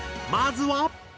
まずは。